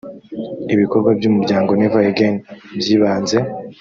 ibikorwa by umuryango never again byibanze